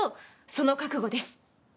その覚悟です。